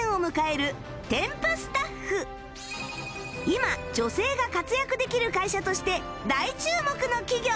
今女性が活躍できる会社として大注目の企業